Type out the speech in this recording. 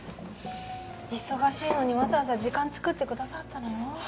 忙しいのにわざわざ時間作ってくださったのよ。